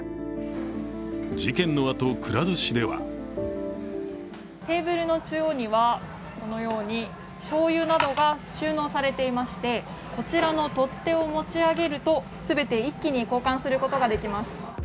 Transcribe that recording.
事件のあと、くら寿司ではテーブルの中央にはこのようにしょうゆなどが収納されていましてこちらの取っ手を持ち上げると全て一気に交換することができます。